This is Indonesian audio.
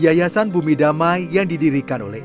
yayasan bumi damai yang didirikan oleh